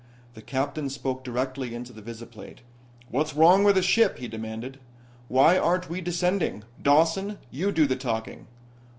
The captain spoke directly into the visiplate. "What's wrong with the ship?" he demanded. "Why aren't we descending? Dawson, you do the talking!"